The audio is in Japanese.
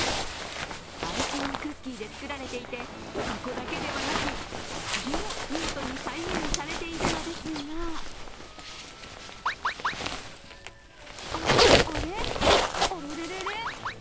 アイシングクッキーで作られていて、箱だけではなく薬も見事に再現されているのですがあ、あれ、あれれれ？